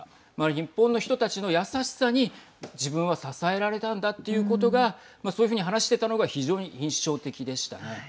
日本の人たちの優しさに自分は支えられたんだということがそういうふうに話していたのが非常に印象的でしたね。